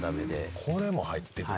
これも入ってるの？